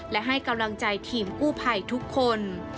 และให้กำลังใจทีมกู้ภัยทุกคน